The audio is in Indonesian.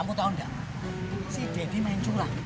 kamu tau gak si daddy main curah